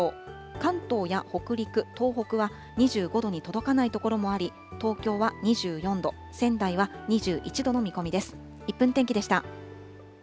関東や北陸、東北は２５度に届かない所もあり、東京は２４度、仙台は２１度の見込みです。